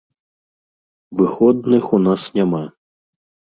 Выходных у нас няма.